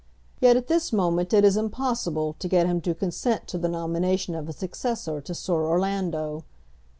Yet at this moment it is impossible to get him to consent to the nomination of a successor to Sir Orlando."